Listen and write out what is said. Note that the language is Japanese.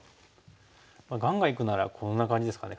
ガンガンいくならこんな感じですかね